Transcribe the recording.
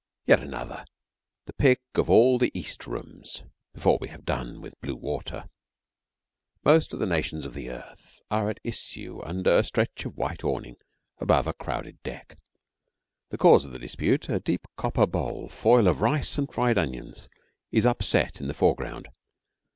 Yet another, the pick of all the East rooms, before we have done with blue water. Most of the nations of the earth are at issue under a stretch of white awning above a crowded deck. The cause of the dispute, a deep copper bowl full of rice and fried onions, is upset in the foreground.